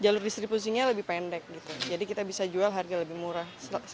fungsinya lebih pendek gitu jadi kita bisa jual harga lebih murah